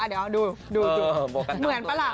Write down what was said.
เหมือนปะหล่ะ